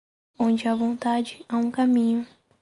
Onde há vontade, há um caminho.